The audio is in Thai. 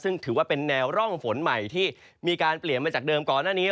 ซึ่งถือว่าเป็นแนวร่องฝนใหม่ที่มีการเปลี่ยนมาจากเดิมก่อนหน้านี้